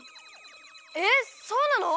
えっそうなの！？